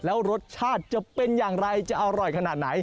แล้วรสชาติจะเป็นอย่างไรจะอร่อยขนาดไหน